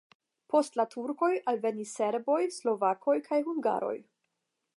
Post la turkoj alvenis serboj, slovakoj kaj hungaroj.